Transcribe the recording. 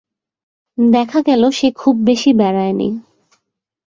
দেখা গেল, সে খুব বেশি বেড়ায় নি।